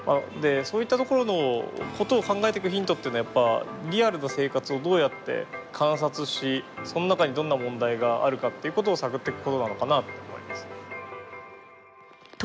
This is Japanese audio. そういったところのことを考えていくヒントっていうのはやっぱリアルな生活をどうやって観察しその中にどんな問題があるかっていうことを探っていくことなのかなと思います。